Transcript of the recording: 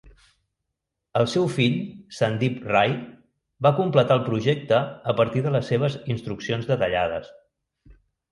El seu fill, Sandip Ray, va completar el projecte a partir de les seves instruccions detallades.